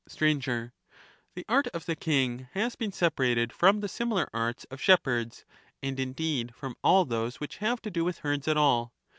Str. The art of the king has been separated from the similar arts of shepherds, and, indeed, from all those which have to do with herds at all.